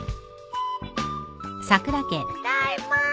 ただいま。